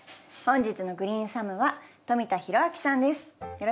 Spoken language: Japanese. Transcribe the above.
本日のグリーンサムは富田裕明さんです。